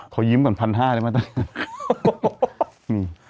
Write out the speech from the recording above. เขายิ้มกว่าพันห้าได้ไหมตอนนี้